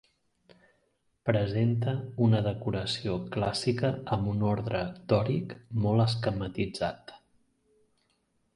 Presenta una decoració clàssica amb un ordre dòric molt esquematitzat.